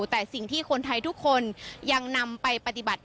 แต่สิ่งที่คนไทยทุกคนยังนำไปปฏิบัติ